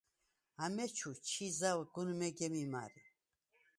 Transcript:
ამეჩუ ჩი ზავ გუნ მეგემ იმა̈რი.